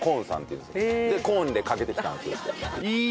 でコーンでかけてきたっていう。